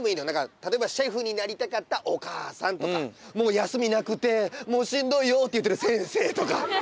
例えばシェフになりたかったお母さんとか休みなくてもうしんどいよって言ってる先生とか。